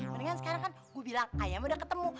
mendingan sekarang kan gue bilang ayam udah ketemu